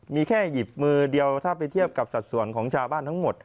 มีแค่หยิบมือเดียวถ้าไปเทียบกับสัดส่วนของชาวบ้านทั้งหมด